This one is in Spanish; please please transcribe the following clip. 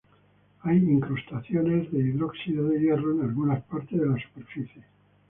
Hay incrustaciones de hidróxido de hierro en algunas partes de la superficie.